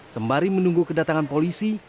sembari menunggu kedatangan polisi